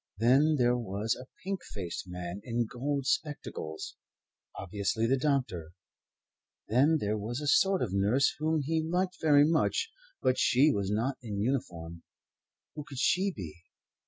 Then there was a pink faced man in gold spectacles, Obviously the doctor. Then there was a sort of nurse whom he liked very much, but she was not in uniform. Who could she be?